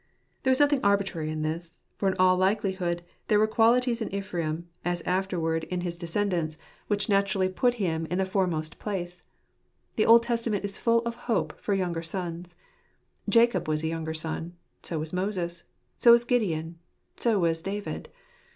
There was nothing arbitrary in this • for in all likelihood there were qualities in Ephraim, as afterwards in his decendants, which naturally put him in the foremost place. The Old Testament is full of hope for younger sons: Jacob was a younger son; so was Moses; so was Gideon ; so was David.